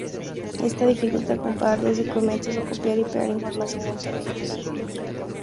Esto dificulta comparar dos documentos o copiar y pegar información entre ellos.